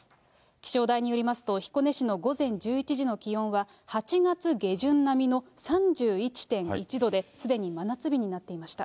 気象台によりますと、彦根市の午前１１時の気温は、８月下旬並みの３１．１度で、すでに真夏日になっていました。